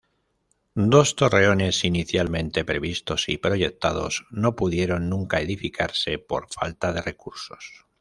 Dos torreones inicialmente previstos y proyectados no pudieron nunca edificarse, por falta de recursos.